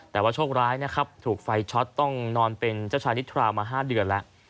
แต่ว่าโชคร้ายนะครับถูกไฟช็อตต้องนอนเป็นเจ้าชายนิทราวมา๕เดือนแล้ว